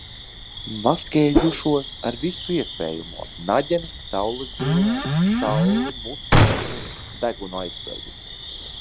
Maskējušos ar visu iespējamo - naģeni, saulesbrillēm, šalli, mutes un deguna aizsegu.